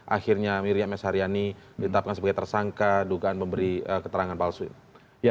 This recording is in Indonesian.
akhirnya miriam saryani ditetapkan sebagai tersangka dugaan memberi keterangan palsu ya